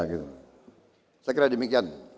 saya kira demikian